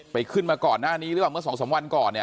ขึ้นมาก่อนหน้านี้หรือเปล่าเมื่อสองสามวันก่อนเนี่ย